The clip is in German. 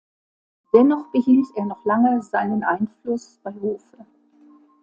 Dennoch behielt er noch lange seinen Einfluss bei Hofe.